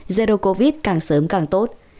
zero covid càng sớm càng tốt